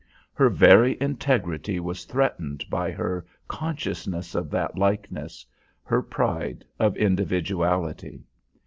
Her very integrity was threatened by her consciousness of that likeness, her pride of individuality.